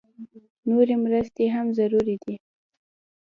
نورې مرستې هم ضروري دي